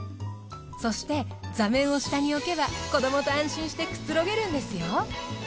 そして座面を下に置けば子どもと安心してくつろげるんですよ。